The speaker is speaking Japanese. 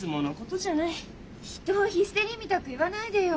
人をヒステリーみたく言わないでよ。